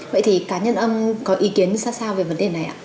vậy thì cá nhân ông có ý kiến xa xa về vấn đề này ạ